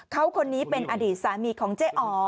เขาคนนี้เป็นอดีตสามีของเจ๊อ๋อ